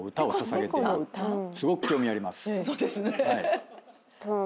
すごく興味あります。